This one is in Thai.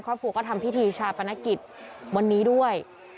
ครอบครัวก็ทำพิธีชาปนกิจวันนี้ด้วย